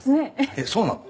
えっそうなの？